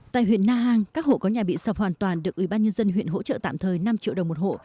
tại huyện na hàng các hộ có nhà bị sập hoàn toàn được ủy ban nhân dân huyện hỗ trợ tạm thời năm triệu đồng một hộ